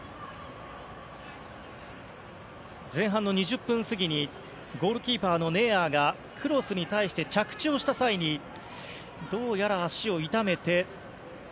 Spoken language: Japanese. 前半の２０分過ぎにゴールキーパーのネアーがクロスに対して着地をした際にどうやら足を痛めて。